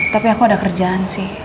tapi aku ada kerjaan sih